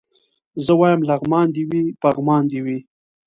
زه وايم لغمان دي وي پغمان دي وي